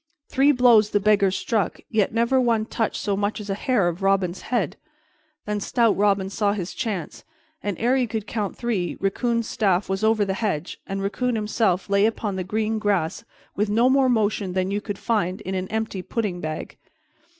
Three blows the Beggar struck, yet never one touched so much as a hair of Robin's head. Then stout Robin saw his chance, and, ere you could count three, Riccon's staff was over the hedge, and Riccon himself lay upon the green grass with no more motion than you could find in an empty pudding bag.